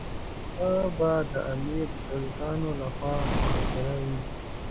هغه به د امیر د جاسوسانو لخوا محاصره وي.